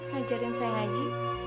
ngajarin saya ngaji